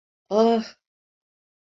Aaah!